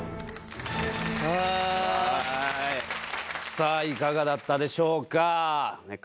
さあいかがだったでしょうか。